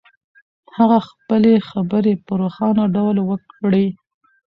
هغه خپلې خبرې په روښانه ډول وکړې.